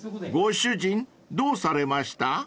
［ご主人どうされました？］